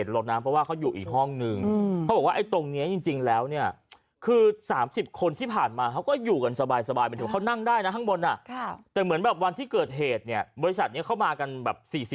แต่ว่าคนเจ็บตอนนี้ยังอยู่ที่โรงพยาบาลนะครับ